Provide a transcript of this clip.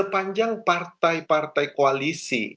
sepanjang partai partai koalisi